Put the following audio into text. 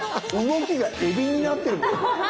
動きがエビになってる。